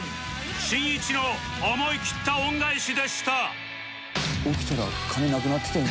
しんいちの思い切った恩返しでした